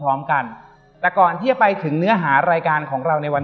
พร้อมกันแต่ก่อนที่จะไปถึงเนื้อหารายการของเราในวัน